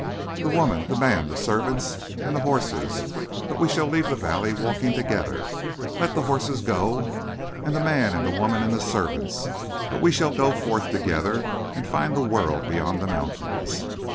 The woman, the man, the servants, and the horses. But we shall leave the valley, walking together. Let the horses go, and the man and the woman and the servants; but we shall go forth together and find the world beyond the mountains."